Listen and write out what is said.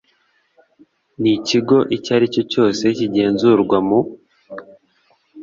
n ikigo icyo aricyo cyose kigenzurwa mu